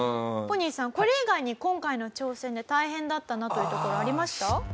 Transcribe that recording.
ＰＯＮＥＹさんこれ以外に今回の挑戦で大変だったなというところありました？